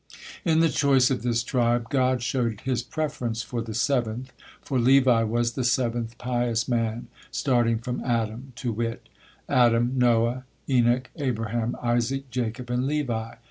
In the choice of this tribe God showed His preference for the seventh, for Levi was the seventh pious man, starting from Adam, to wit: Adam, Noah, Enoch, Abraham, Isaac, Jacob, and Levi.